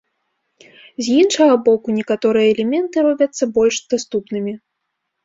З іншага боку, некаторыя элементы робяцца больш даступнымі.